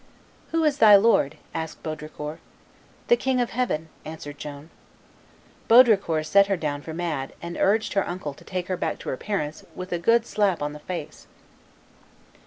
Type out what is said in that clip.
"Who is thy lord?" asked Baudricourt. "The King of Heaven," answered Joan. Baudricourt set her down for mad, and urged her uncle to take her back to her parents "with a good slap o' the face."